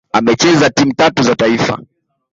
Amecheza timu tatu za taifa